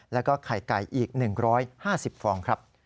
แล้วก็ไข่ไก่อีก๑๕๐ฟองครับ